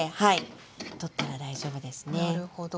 なるほど。